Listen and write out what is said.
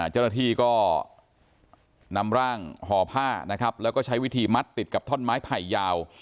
เจ้าหน้าที่ก็นำร่างห่อผ้านะครับแล้วก็ใช้วิธีมัดติดกับท่อนไม้ไผ่ยาว